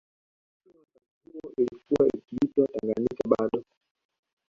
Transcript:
Lakini wakati huo ilikuwa ikiitwa Tanganyika bado